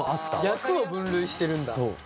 役を分類してるんだ。